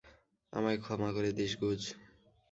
আমায় ক্ষমা করে দিস, গুজ।